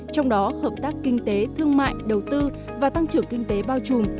trong đó hợp tác kinh tế thương mại đầu tư và tăng trưởng kinh tế bao trùm